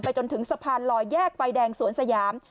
จนถึงสะพานลอยแยกไฟแดงสวนสยาม